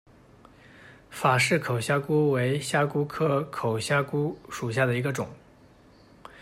法氏口虾蛄为虾蛄科口虾蛄属下的一个种。